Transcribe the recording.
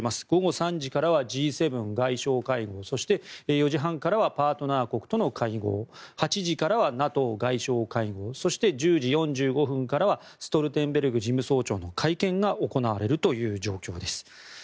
午後３時からはＧ７外相会合そして、４時半からはパートナー国との会合８時からはＮＡＴＯ外相会合そして１０時４５分からはストルテンベルグ事務総長の会見が行われるという状況です。